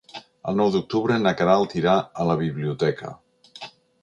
El nou d'octubre na Queralt irà a la biblioteca.